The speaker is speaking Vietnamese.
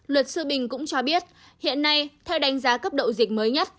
luật sư bình cũng cho biết hiện nay theo đánh giá cấp độ dịch mới nhất